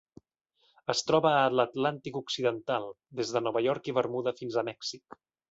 Es troba a l'Atlàntic occidental: des de Nova York i Bermuda fins a Mèxic.